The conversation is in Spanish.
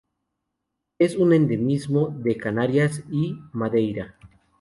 Es un endemismo de Canarias y Madeira.